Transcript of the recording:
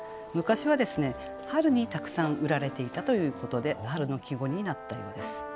昔は春にたくさん売られていたということで春の季語になったようです。